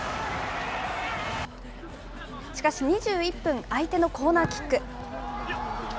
しかし、２１分、相手のコーナーキック。